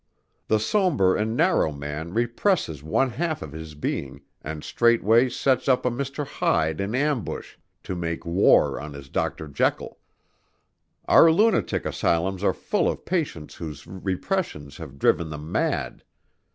The somber and narrow man represses one half of his being and straightway sets up a Mr. Hyde in ambush to make war on his Dr. Jekyl. Our lunatic asylums are full of patients whose repressions have driven them mad.